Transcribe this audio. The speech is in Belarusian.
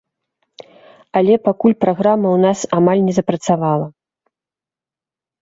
Але пакуль праграма ў нас амаль не запрацавала.